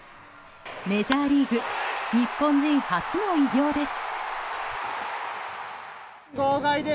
メジャーリーグ日本人初の偉業です。